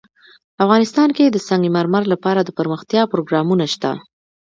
افغانستان کې د سنگ مرمر لپاره دپرمختیا پروګرامونه شته.